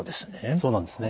そうなんですね。